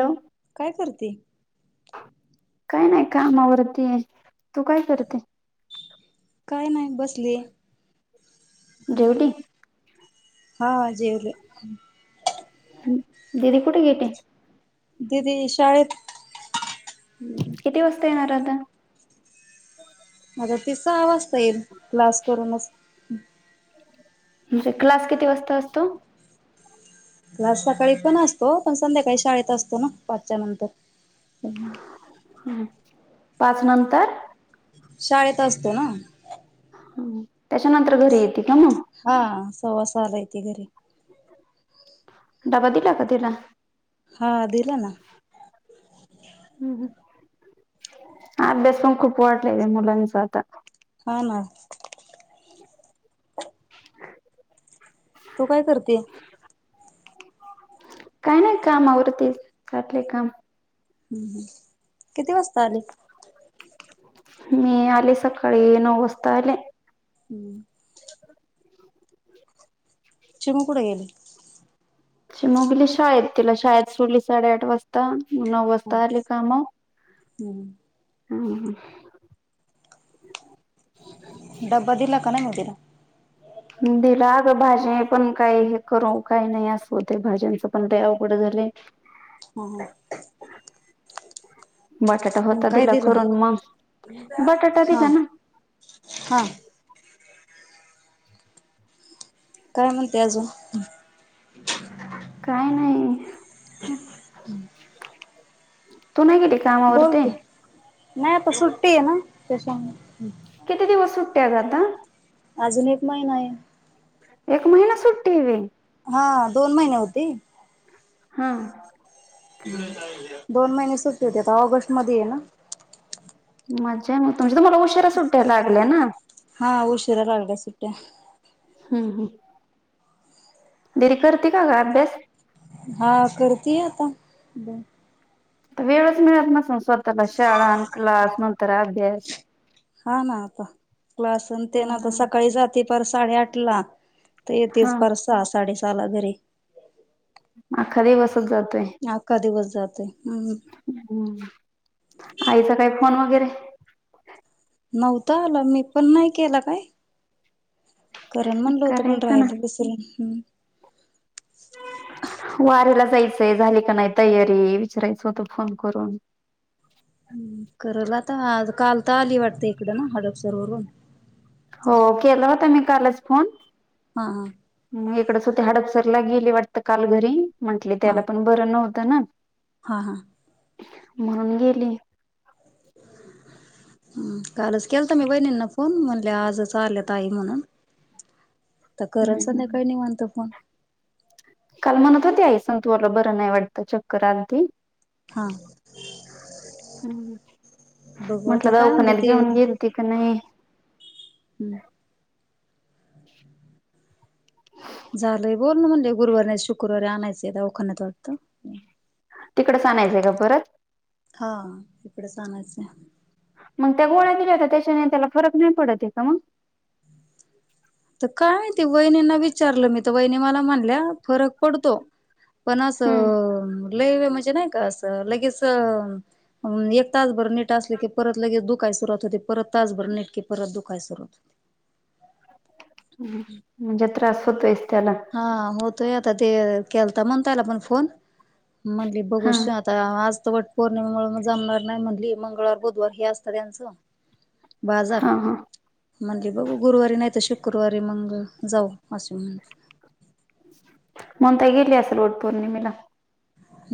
Hello काय करते? [inaudible] काय नाही कामावरती आहे तू काय करते? काय नाही बसलीये. ड्युटी हा जेवले. [inaudible] दीदी कुठे गेली? दिदी शाळेत. हं किती वाजता येणार आहे आता? [inaudible] अगं ति सहा वाजता येईल क्लास करूनचं. म्हणजे क्लास किती वाजता असतो? क्लास सकाळी पण असतो पण संध्याकाळी शाळेत असतो ना पाचच्या नंतर. हम्म, हम्म. हा पाच नंतर शाळेत असतो ना हम्म त्याच्यानंतर घरी येते का मग हा सव्वासहाला येती घरी डबा दिला का तिला हा अ दिला ना ह् अभ्यास पण खूप वाटलाय र मुलांचा आता हा ना तू काय करते काही नाही काम आवरती साठलय काम हम् ह किती वाजता आली मी आले सकाळी नऊ वाजता आले हम्म चिमू कुठं गेली चिमू गेली शाळेत तिला शाळेत सोडली साडेआठ वाजता नऊ वाजता आली का मग हम्म हम डबा दिला का नाई मग तिला दिला अगं भाज्या पण काही हे करू काही नाही असव ते भाज्यांचं पण लय अवघड झालयं [inaudible] हा हा बटाटा मग होता काय दिला दिलं? करून मग बटाटा हा दिला ना [inaudible] हा काय म्हणते अजून काय नाही हम्म तू नाही गेली कामावरती की. नाही आता सुट्टी आहे ना त्याच्यामुळे त्यागता अजून एक महिना आहे एक महिना सुट्टी रे हा दोन महिने होते हम दोन महिने सुटते होते आता ऑगस्ट मध्ये ये ना मजा म तुमची तर मला उशीरा सुट्ट्या लागल्या ना हा उशिरा लागल्या सुट्ट्या हम ह दीदी करते का ग अभ्यास हा करतेय आता ब वेळच मिळत नसल स्वतःला शाळा क्लास नंतर अभ्यास हा ना आता क्लासन ते हा ना आता सकाळी जाते पर साडेआठ ला तर य हा तेच परत सहा साडे सहा ला घरी आखा दिवस अख्खा दिवस जातोय हम्म. आईचा काही फोन वगैरे नव्हतं आला मी पण नाही केला काय कारण म्हणलं होत पण करायचा ना राहिला विसर हम् [unintelligible] वारीला जायचे झाले का नाही तयारी विचारायचं होतं फोन करून हम करल आता काल तर आली वाटते इकडं ना हडपसर वरून हो, केला होता मी कालच फोन हा हा. मग इकडच होते हाडपसरला गेले वाटत काल घरी म्हटले हा त्याला पण बरं नव्हतं ना हा हा. म्हणून गेली. हम्म कालच केल तर मी वहिनींना फोन म्हणले आजच आल्या ताई म्हणून तर करण हम्म. संध्याकाळी नाही म्हनतो फोन काल म्हणत होते आई संतु भाऊ ला बरं नाही वाटत चक्कर आ. हा. हम्म हम्म, बघू आता म्हटलं काय म्हणते दवाखण्यात ते घेऊन गेलती का नाही हम्म. झालंय बोलन म्हणले गुरुवारी नाहीतर शुक्रवारी आणायचं दवाखान्यात वाटतं तिकडच आणायचंय का परत? हा इकडेच आनायचय मग त्या गोळ्या दिल्या होता त्याच्याने त्याला फरक नाही पडतय का मग? तर काय ती वहिनींना विचारलं मी तर वाहिनी मला म्हणल्या फरक पडतो. पन हम्म. असं लय वेळ म्हणजे नाही का अस लगेच एक तास भर नीट असले की परत लगेच दुखाय सुरुवात होते परत तासभर नीट की परत दुखाय सुरू होते हम म्हनजे त्रास होतोयच त्याला हा होतोय आता ते केलता म्हण त्याला पण फोन म्हनली बघू हा आता आज वट पौर्णिमेमुळे मग जमणार नाही म्हणली, मंगळवार बुधवार हे असत त्यांचं बाजार. हा हा म्हणली बघू गुरुवारी नाही तर शुक्रवारी मंग जाऊ असे म्हणते. ममता गेली असेल वट पौर्णिमेला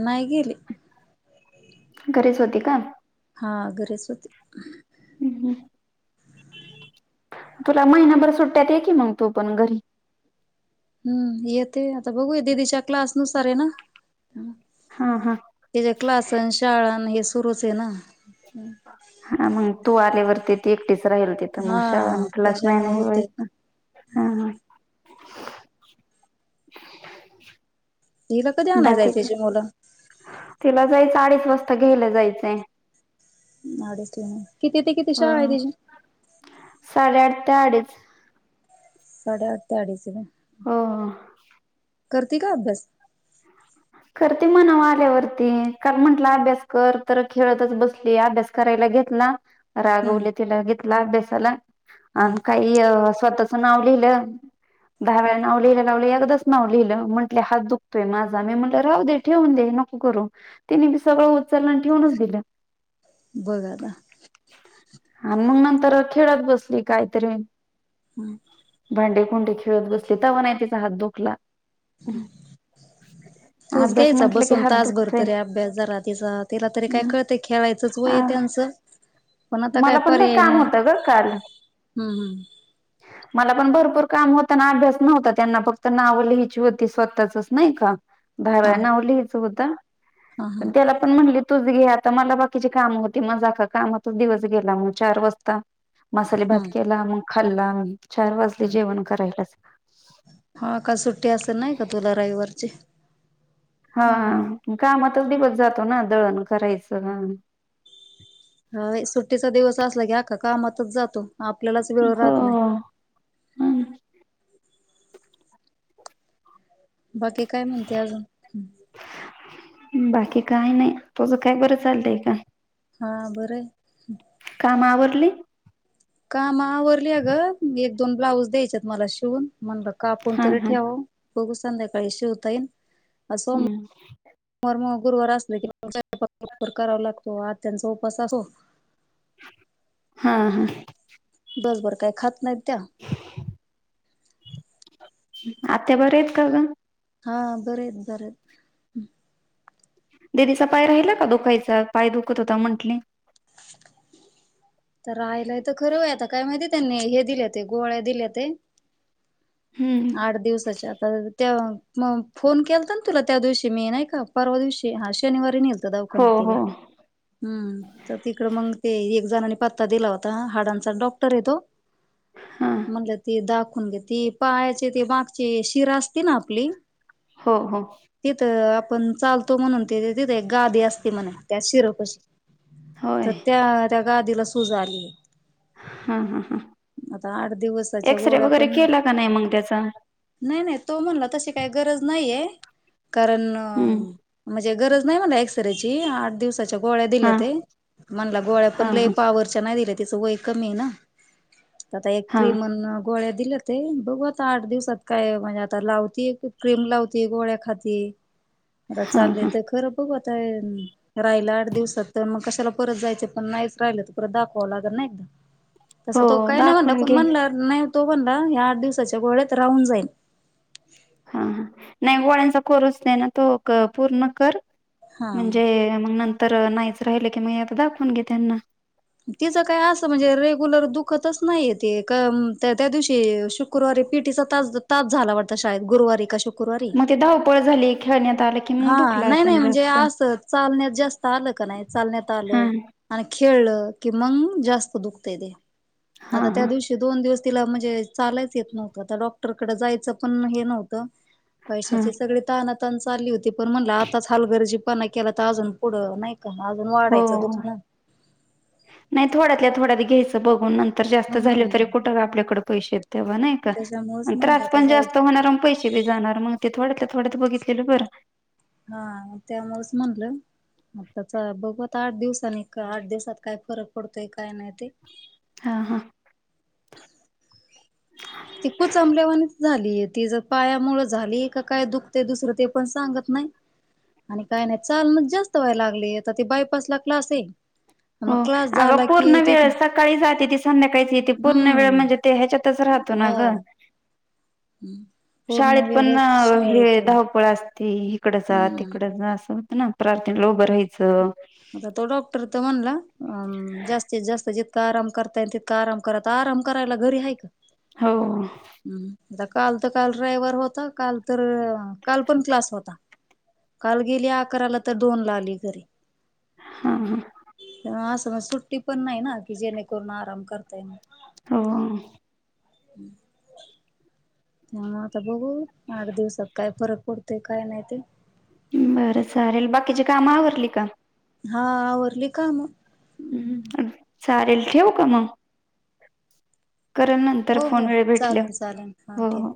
नाही गेली घरीच होती का? हा, घरीच होती. हम्म हम्म. तुला महिनाभर सुट्ट्यात ठेव की मंग तू पण घरी हम्म येते आता बघूया दिदीच्या क्लास नुसार आहे ना अह हा हा त्याचा क्लास अन शाळ अन हे सुरूच आहे ना हा, मग तू आल्यावरती ती एकटीच राहील तिथं मग शाळ हा म्हटलाच त्याच्यामुळे नाही होते [unintelligible] हिला कधी आणाय बाकी जायचं त्याची मुलं तिला जायचं अडीच वाजता घ्यायला जायचंय अडीचला. किती ते किती हो शाळा आहे तिची? साडेआठ ते अडीच. साडे आठ ते आडीच ला हो. करते का अभ्यास? करते मनावर आल्यावरती. काल म्हंटलं अभ्यास कर तर खेळतच बसली अभ्यास करायला घेतला ला हम्म रागवली तीला घेतला अभ्यासाला हम्म. आणि काही स्वतः तिची नाव लिहिलं दहा वेळा नाव लिहिलं एकदाच नाव लिहिलं म्हटलं हात दुखतोय माझ झा मी म्हटलं राहू दे ठेवून दे नको करू. तिने म सगळं उचललं ठेवूनच दिलं बघा आता. आणि मग नंतर खेळत बसली काहीतरी हम्म. भांडे कुंडे खेळत बसली तवा नाय तिचा हात दुखला हम्म. तूच अभ्यास घ्यायचा म्हंटलं की बसून हात तासभर दुखतोय तरी अभ्यास जरा तिचा तिला तरी काय कळतं खेळायचंच वय त्यांचं पण आता काय मला पण ते पर्याय काम नाही. होत ग काल हम्म हम्म. मला पण भरपूर काम होताना अभ्यास नव्हता त्यांना फक्त नावं लिहायची होती स्वतःचच नाही का भाव हा नाव लिहायचं होत हा पण हा त्याला पण म्हणली तूच घे आता मला बाकीची काम होती मग जा का कामातच दिवस गेला मग चार वाजता मसाले हा भात केला मग खाल्ला म चार वाजले हा. जेवण करायला हा का सुट्टी असेल नाही का तुला रविवारची हा कामातच दिवस जातो ना दळण करायचं ह हा सुट्टीचा दिवस असला की अक्खा कामातच जातो आपल्यालाच वेळ हो. राहत नाही बाकी काय म्हणते अजून बाकी काय नाही तुझं काय बरं चालतंय का हां बरं कामाआवरली काम आवरली आहे ग एक दोन ब्लाउज द्यायचेत मला शिवून म्हणल का आपण हा तरी हा ठेव बघू संध्याकाळी शेवता येईल अस सो मर्म [inaudible] गुरुवार असले किर करावा लागतो आज त्यांचा उपास असो हा हा बस बरं काय खात नाहीत त्या आत्या बर आहेत का ग हा बर आहेत बर आहेत दिदीचा पाय राहिला का दुखायचा पाय दुखत होता म्हंटले तर राहिलाय तर खरं आता काय माहिती त्यांनी हे दिले हो ते गोळ्या दिले ते हम्म आठ दिवसाच्या आता त्या मग फोन केलता ना तुला त्या दिवशी मी नाही का परवा दिवशी हा शनिवारी नल हो दवाखान्यात तिला हो हम तर तिकड मग ते एक जनानीं पता दिला होता हाडांचा डॉक्टर येतो हा म्हणलं ती दाखवून घेत पाहाचे ते मागची शिरा असते ना आपली हो हो पण चालतो म्हणून ते तिथे गादी असते म्हण त्या शिरपशी तर होय त्या त्या गादीला सूजा आली हा हा हा आता आठ दिवसाच्या एक्सरे गोळ्या वगैरे पण केला का नाही मग त्याचा? नाही नाही तो म्हणला तशी काही गरज नाहीय कारण हम्म म्हणजे गरज नाही मला एक्सरेची आठ दिवसाची गोळ्या हा दिल्या म्हण गोळ्या हा पण लय हा पावरच्या नाही दिल्या तिच वय कमी आहे ना आता एक हा क्रीमन गोळ्या दिल्या ते बघ ता आठ दिवसात काय म्हणजे आता लावती क्रीम लावती गोळ्या खाती अर हा चाललेय हा तर खरं बघ राहिलं आठ दिवसात तर मग कशाला परत जायचं पण नाहीच राहिलं तर परत दाखवावं लागत ना एकदा तस हो तो काही नाही म्हणला दाखवून पण घे म्हणलं नाही तो म्हणला या आठ दिवसाच्या गोळ्यात राहून जाईन हा ह नाही गोळ्यांचा कोरच नाही ना तो पूर्ण कर हा म्हणजे मग नंतर नाहीच राहिलं की मग आता दाखवून घे त्यांना तिचं काय असं म्हणजे रेग्युलर दुखतच नाहीय ते त्या त्या दिवशी शुक्रवारी पीटी तास तास झाला वाटता गुरुवारी का शुक्रवारी मग ते धावपळ झाली खेळण्यात आलं की मग हा दुखला नाही नाही असेल म्हणजे जास्त असं चालण्यात जास्त आलं का नाही चालण्यात हा आलं आणि खेळलं की मग जास्त दुखतय ते हा आता त्या हा दिवशी दोन दिवस तिला म्हणजे चालु हाय ट्रिटमेंट. आता डॉक्टरकडें जायचं पण हे नव्हतं. हा पैशाची सगळी तानातान चा - - ली होती पण म्हणला आताच हालगरजीपणा केला तर अजून पुढं नाही का अजून हो वाढायचं दुखणं नाही थोड्यातल्या थोड्यात घ्यायच. बघून नंतर जास्त झाले तरी हम्म कुठं आपल्याकडे पैसे तेव्हा नाही का त्याच्यामुळेच म्हणलं त्रास आता पण जाऊ दे जास्त होणार प पैसे बी जाणार मग ते थोड - - थोडंत बघितलेलं बरं. हा त्यामुळचं म्हणलं. आताच बघू आता आठ दिवसांनी आठ दिवसात काय फरक पडतोय काय नाही ते. हा, हा. ती कुचंबल्यावानीच झालीय ती ज पायामुंळ झालीय का काय दुखत दुसरं ते पण सांगत नाही. आणि काय नाही चालण जास्त व्हाय लागलयं आता ते बायपास क्लास ए. हो. अग पूर्ण वेळ सकाळी जाते ती संध्याकाळीच येते पूर्ण वेळ हम्म म्हणजे ते ह्याच्या तचं राहतो ना हा ग. शाळेत पूर्ण वेळ पण हेच हे शाळेतून धावपळ अस - - ते हिकडं जा. हम्म तिकड जा. असं होतं ना प्रार्थनेला उभं राहायचं. आता तो डॉक्टर तर म्हणला अ जास्तीत जास्त - - आराम करता येय तितकां आराम करा. आराम करायला घरी आहे का? हो. हम्म आता काल तर काल ड्रायव्हर होता. काल तर काल पण क्लास होता. काल गेली अकराला तर दोन ला आली घरी. हा, हा. सज सुट्टी पण नाही ना की जेणेकरून आराम करता येय न. हो. हम्म. त्यामुळेग आता बघू आठ दिवसात काय फरक पडतोय काय नाही ते. बरं चालेल. बाकीची काम आवरली का? हा. आवरली काम. हम्म. चालेलं ठेवु का म? हो, हो. वेळ चालल भेटल्यावर चालल. हा हो हो ठेक.